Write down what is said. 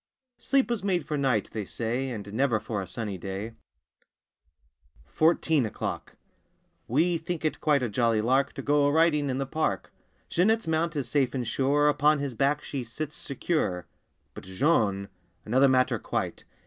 Sleep was made for night, they say. And never for a sunny day! 29 THIRTEEN O'CLOCK 31 FOURTEEN O'CLOCK W E think it quite a jolly lark To go a riding in the park. Jeanette's mount is safe and sure, Upon his back she sits secure. But Jean—another matter, quite!